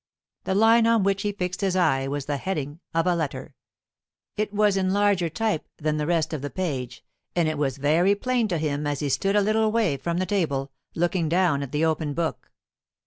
The line on which he fixed his eye was the heading of a letter. It was in larger type than the rest of the page, and it was very plain to him as he stood a little way from the table, looking down at the open book.